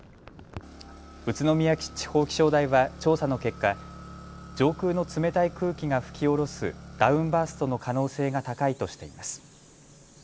宇都宮地方気象台は調査の結果、上空の冷たい空気が吹き降ろすダウンバーストの可能性が高いとしています。